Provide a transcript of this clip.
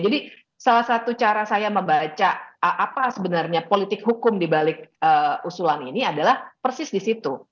salah satu cara saya membaca apa sebenarnya politik hukum dibalik usulan ini adalah persis di situ